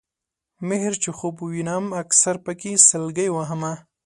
مِهر چې خوب وینم اکثر پکې سلګۍ وهمه